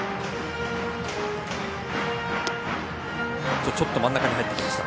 ちょっと真ん中に入ってきました。